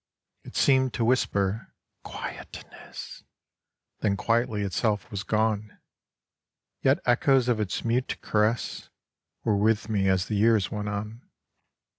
It seemed to whisper * Quietness,' Then quietly itself was gone : Yet echoes of its mute caress Were with me as the years went on.